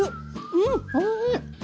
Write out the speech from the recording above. うんおいしい！